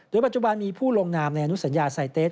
ปัจจุบันมีผู้ลงนามในอนุสัญญาไซเตส